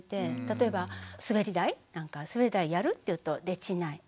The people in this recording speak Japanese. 例えばすべり台なんか「すべり台やる？」って言うと「できない」。